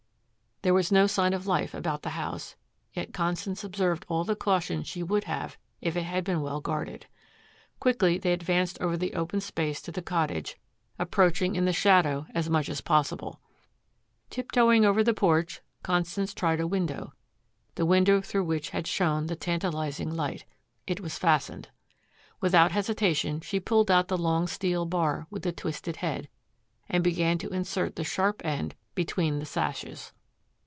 There was no sign of life about the house, yet Constance observed all the caution she would have if it had been well guarded. Quickly they advanced over the open space to the cottage, approaching in the shadow as much as possible. Tiptoeing over the porch, Constance tried a window, the window through which had shown the tantalizing light. It was fastened. Without hesitation she pulled out the long steel bar with the twisted head, and began to insert the sharp end between the sashes.